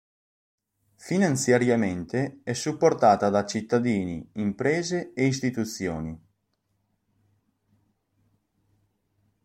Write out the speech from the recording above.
Finanziariamente è supportata da cittadini, imprese e istituzioni.